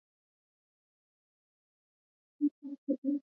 اوبزین معدنونه د افغانستان د سیاسي جغرافیه برخه ده.